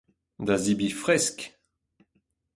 Da zebriñ fresk !